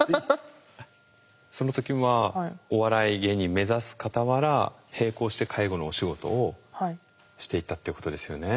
その時はお笑い芸人目指すかたわら並行して介護のお仕事をしていったっていうことですよね。